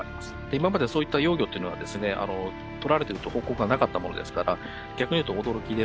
今までそういった幼魚というのはですねとられてると報告がなかったものですから逆に言うと驚きで。